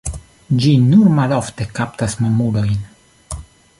Ĝi nur malofte kaptas mamulojn.